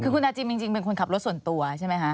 คือคุณอาจิมจริงเป็นคนขับรถส่วนตัวใช่ไหมคะ